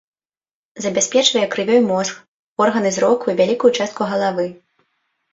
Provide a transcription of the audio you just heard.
Забяспечвае крывёй мозг, органы зроку і вялікую частку галавы.